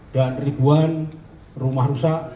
dan ribuan rumah rusak